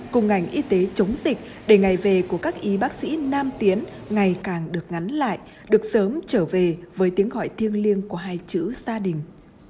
cùng ngành y tế chống dịch để ngày về của các y bác sĩ nam tiến ngày càng được ngắn lại được sớm trở về với tiếng gọi thiêng liêng của hai chữ gia đình